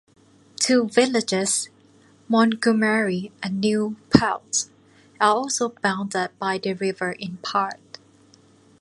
Two villages, Montgomery and New Paltz, are also bounded by the river in part.